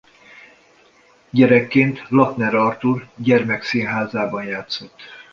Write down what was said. Gyerekként Lakner Artúr Gyermekszínházában játszott.